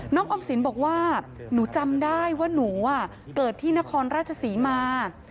ออมสินบอกว่าหนูจำได้ว่าหนูเกิดที่นครราชศรีมา